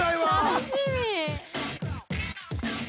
楽しみ。